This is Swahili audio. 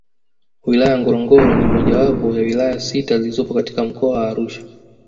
Wilaya Ngorongoro ni mojawapo ya wilaya sita zilizopo katika Mkoa wa Arusha